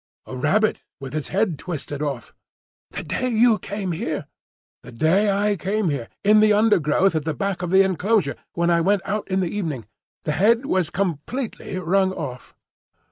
"A rabbit with its head twisted off." "The day you came here?" "The day I came here. In the undergrowth at the back of the enclosure, when I went out in the evening. The head was completely wrung off."